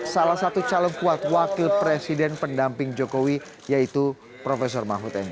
salah satu calon kuat wakil presiden pendamping jokowi yaitu prof mahmud m d